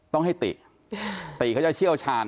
ต้องให้ติติเขาจะเชี่ยวชาญ